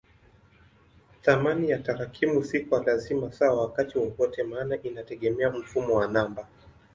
Thamani ya tarakimu si kwa lazima sawa wakati wowote maana inategemea mfumo wa namba.